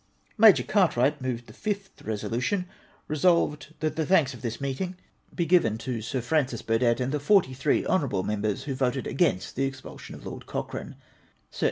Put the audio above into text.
Major Cartwrigkt moved the fifth resolution :—" Resolved — That the thanks of this Meetincr be iriven to WESTMINSTER ELECTION. 445 Sir Francis Burdett, and tlie forty three lionouraLle niember s who voted against the expulsion of Lord Cochrane." Sir F.